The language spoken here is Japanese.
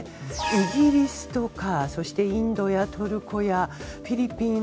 イギリスとかインドやトルコやフィリピン